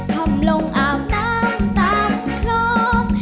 ทำลงอาบน้ำตามตามคลอง